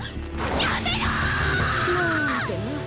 やめろ！なんてな。